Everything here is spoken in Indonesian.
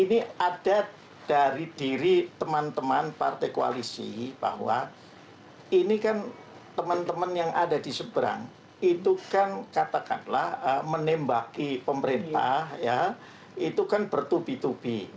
ini ada dari diri teman teman partai koalisi bahwa ini kan teman teman yang ada di seberang itu kan katakanlah menembaki pemerintah ya itu kan bertubi tubi